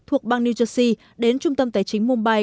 thuộc bang new jersey đến trung tâm tài chính mumbai